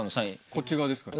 こっち側ですから。